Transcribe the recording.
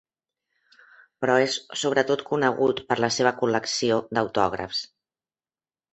Però es sobretot conegut per la seva col·lecció d'autògrafs.